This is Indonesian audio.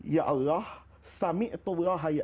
ya allah sami'atullah